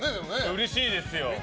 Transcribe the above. うれしいですよ。